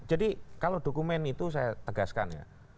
jadi kalau dokumen itu saya tegaskan ya